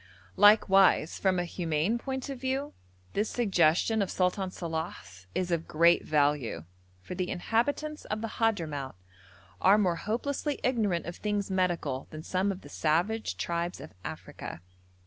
Likewise from a humane point of view, this suggestion of Sultan Salàh's is of great value, for the inhabitants of the Hadhramout are more hopelessly ignorant of things medical than some of the savage tribes of Africa.